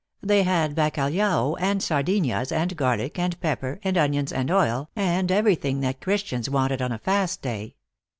They had bacalhao and sardinhas, and garlic, and pepper, and onions, and oil, and everything that Christians Wanted on a fast day.